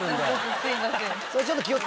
すいません。